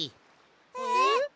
えっ？